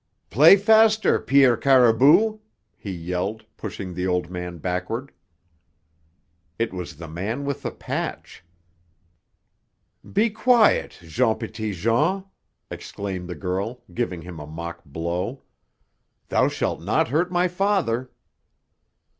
"Play faster, Pierre Caribou!" he yelled, pushing the old man backward. It was the man with the patch! "Be quiet, Jean Petitjean!" exclaimed the girl, giving him a mock blow. "Thou shall not hurt my father!"